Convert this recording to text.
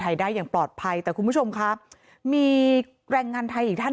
ได้อย่างปลอดภัยแต่คุณผู้ชมครับมีแรงงานไทยอีกท่าน